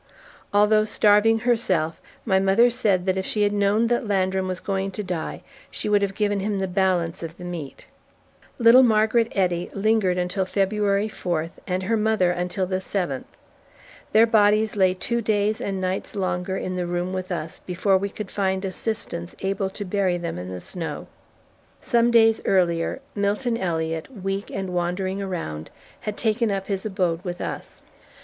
Although starving herself, my mother said that if she had known that Landrum was going to die she would have given him the balance of the meat. Little Margaret Eddy lingered until February 4, and her mother until the seventh. Their bodies lay two days and nights longer in the room with us before we could find assistance able to bury them in the snow. Some days earlier Milton Elliot, weak and wandering around, had taken up his abode with us.